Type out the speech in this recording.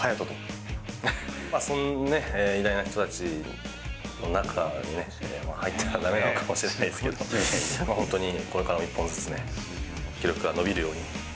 そんなね、偉大な人たちの中に入ったらだめなのかもしれないけど、本当にこれからも１本ずつ、記録が伸びるように。